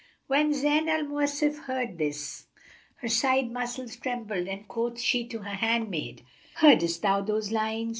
When Zayn al Mawasif heard this, her side muscles trembled and quoth she to her handmaid, "Heardest thou those lines?"